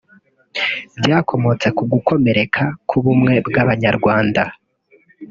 byakomotse ku gukomereka k’ubumwe bw’Abanyarwanda